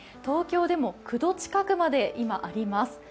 東京でも９度近くまで、今あります。